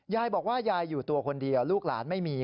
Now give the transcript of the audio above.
ยายบอกว่ายายอยู่ตัวคนเดียวลูกหลานไม่มี